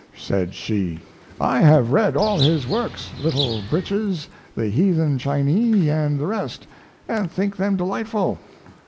said she, "I have read all his works Little Breeches, The Heathen Chinee, and the rest and think them delightful.